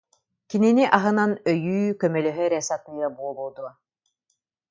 Кинини аһынан өйүү, көмөлөһө эрэ сатыыра буолуо дуо